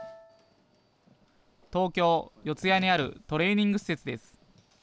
東京・四谷にあるトレーニング施設です。